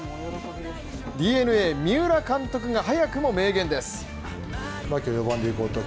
ＤｅＮＡ・三浦監督が早くも明言です。